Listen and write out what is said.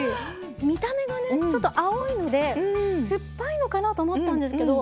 見た目がねちょっと青いので酸っぱいのかなと思ったんですけど。